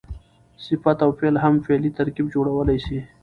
صفت او فعل هم فعلي ترکیب جوړولای سي.